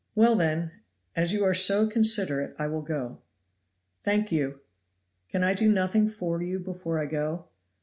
"Well, then, as you are so considerate I will go." "Thank you." "Can I do nothing for you before I go?"